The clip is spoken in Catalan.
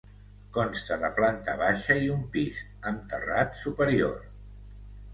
Consta de planta baixa i un pis, amb terrat superior.